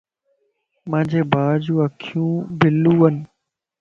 مانجي ڀاجو اکيون بلوون